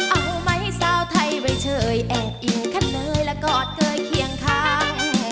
เอาไหม้ซ่าวไทยไปเฉยแอบอิ้งขัดหน่อยและกอดเก่ยเคียงค้าง